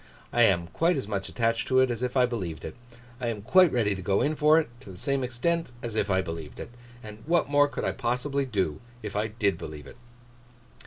I am quite as much attached to it as if I believed it. I am quite ready to go in for it, to the same extent as if I believed it. And what more could I possibly do, if I did believe it!